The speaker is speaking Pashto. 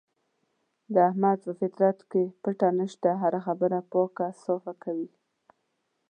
د احمد په فطرت کې پټه نشته، هره خبره پاکه صافه کوي.